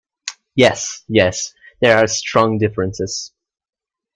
Yes, yes, there are strong differences.